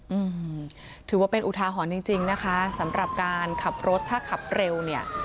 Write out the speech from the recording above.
อืมถือว่าเป็นอุทาหรณ์จริงจริงนะคะสำหรับการขับรถถ้าขับเร็วเนี่ย